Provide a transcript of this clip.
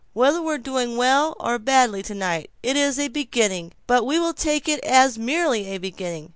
Whether we're doing well or badly tonight, it is a beginning. But will we take it as merely a beginning?